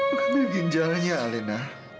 mengambil ginjalnya alina